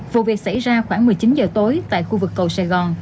vụ việc xảy ra khoảng một mươi chín giờ tối tại khu vực cầu sài gòn